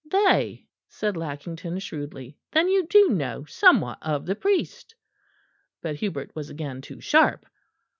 "They?" said Lackington shrewdly. "Then you do know somewhat of the priest?" But Hubert was again too sharp.